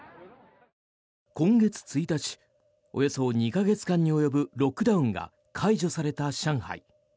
今月１日、およそ２か月間に及ぶロックダウンが解除された上海。